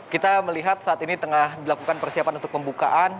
kita melihat saat ini tengah dilakukan persiapan untuk pembukaan